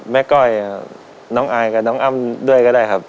ก้อยน้องอายกับน้องอ้ำด้วยก็ได้ครับ